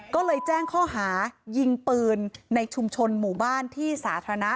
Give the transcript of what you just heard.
ก็เลยแจ้งข้อหายิงปืนในชุมชนหมู่บ้านที่สาธารณะ